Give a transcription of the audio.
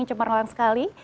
mengecepar orang sekali